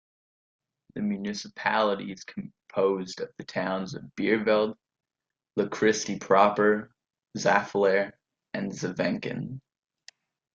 The municipality is composed of the towns of Beervelde, Lochristi proper, Zaffelare and Zeveneken.